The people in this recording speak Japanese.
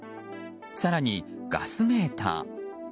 更に、ガスメーター。